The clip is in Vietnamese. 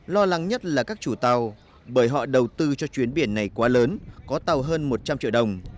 lo lắng nhất là các chủ tàu bởi họ đầu tư cho chuyến biển này quá lớn có tàu hơn một trăm linh triệu đồng